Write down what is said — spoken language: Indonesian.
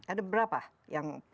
ada berapa yang